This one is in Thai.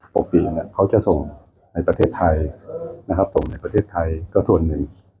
ปกตินเนี่ยเขาก็จะส่งในประเทศไทยส่งในประเทศไทยส่วนหนึ่ง